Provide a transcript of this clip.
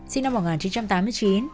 sinh năm một nghìn chín trăm tám mươi chín